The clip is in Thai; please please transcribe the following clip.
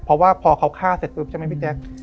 เพราะว่าพอเขาฆ่าเสร็จปุ๊บใช่ไหมพี่แจ๊ค